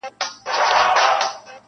خدایه مینه د قلم ور کړې په زړو کي ,